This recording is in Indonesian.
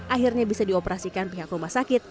akhirnya bisa dioperasikan pihak rumah sakit